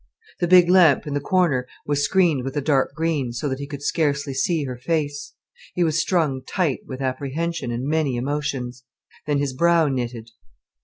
The big lamp in the corner was screened with a dark green, so that he could scarcely see her face. He was strung tight with apprehension and many emotions. Then his brow knitted.